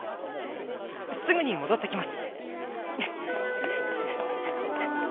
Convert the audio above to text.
すぐに戻ってきます！